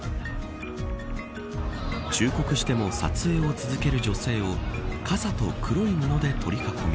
忠告しても撮影を続ける女性を傘と黒い布で取り囲み